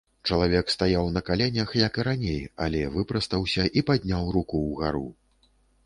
Чалавек стаяў на каленях, як і раней, але выпрастаўся і падняў рукі ўгару.